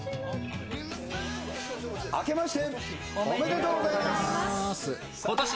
あけましておめでとうございことし